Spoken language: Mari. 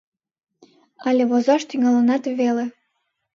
Але возаш тӱҥалынат веле.